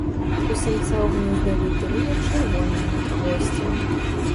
У самца ў гнездавы перыяд чырвонае надхвосце.